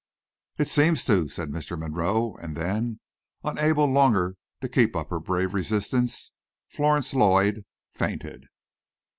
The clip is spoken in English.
"It seems to," said Mr. Monroe; and then, unable longer to keep up her brave resistance, Florence Lloyd fainted.